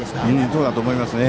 そうだと思いますね。